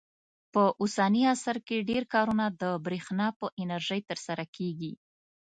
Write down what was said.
په اوسني عصر کې ډېر کارونه د برېښنا په انرژۍ ترسره کېږي.